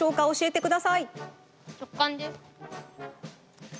おしえてください！